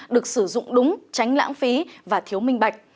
được sử dụng đúng tránh lãng phí và thiếu minh bạch